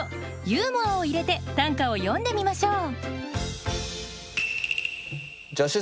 ユーモアを入れて短歌を詠んでみましょう。